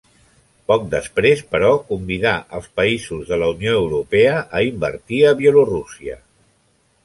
Poc després, però, convidà els països de la Unió Europea a invertir a Bielorússia.